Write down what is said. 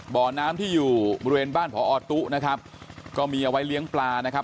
บ่อน้ำที่อยู่บริเวณบ้านพอตุ๊นะครับก็มีเอาไว้เลี้ยงปลานะครับ